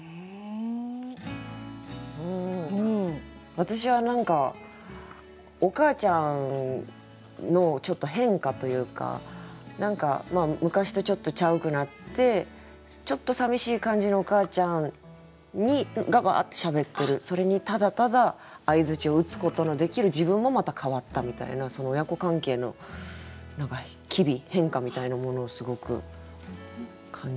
私は何かお母ちゃんのちょっと変化というか何か昔とちょっとちゃうくなってちょっと寂しい感じのお母ちゃんがわってしゃべってるそれにただただ相づちを打つことのできる自分もまた変わったみたいなその親子関係の何か機微変化みたいなものをすごく感じましたけれども。